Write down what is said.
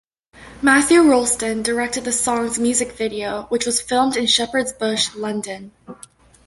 Matthew Rolston directed the song's music video, which was filmed in Shepherd's Bush, London.